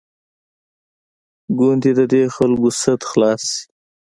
کوندي د دې خلکو سد خلاص شي.